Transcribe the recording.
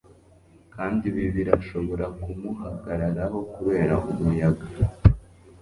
kandi ibi birashobora kumuhagararaho kubera umuyaga